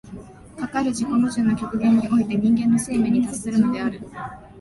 かかる自己矛盾の極限において人間の生命に達するのである。